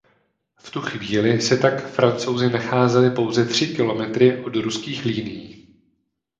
V tu chvíli se tak Francouzi nacházeli pouze tři kilometry od ruských linií.